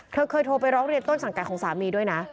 เธอเคยโทรไปร้องเรียนต้นสังกัดของสามีด้วยนะ